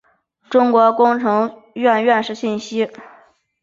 中国工程院院士信息